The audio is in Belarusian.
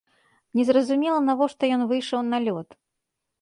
Незразумела, навошта ён выйшаў на лёд.